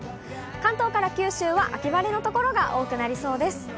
関東から九州は秋晴れの所が多くなりそうです。